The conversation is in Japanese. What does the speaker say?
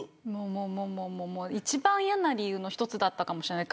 一番、嫌な理由の一つだったかもしれない。